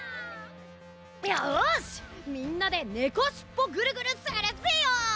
よしみんなでねこしっぽぐるぐるするぜよ！